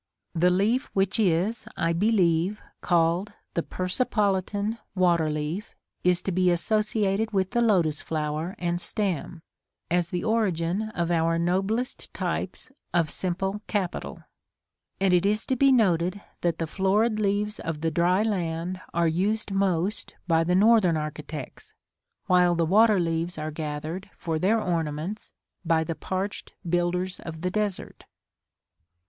The leaf which is, I believe, called the Persepolitan water leaf, is to be associated with the lotus flower and stem, as the origin of our noblest types of simple capital; and it is to be noted that the florid leaves of the dry land are used most by the Northern architects, while the water leaves are gathered for their ornaments by the parched builders of the Desert.